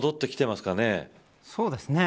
そうですね。